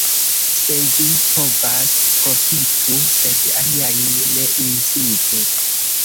Se vi povas, profitu, sed aliajn ne incitu.